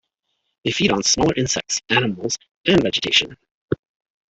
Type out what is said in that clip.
They feed on smaller insects, animals, and vegetation.